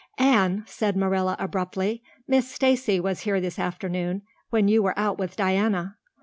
"Anne," said Marilla abruptly, "Miss Stacy was here this afternoon when you were out with Diana."